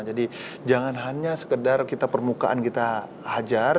jadi jangan hanya sekedar permukaan kita hajar